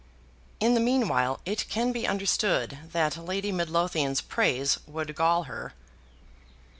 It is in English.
In the meanwhile it can be understood that Lady Midlothian's praise would gall her.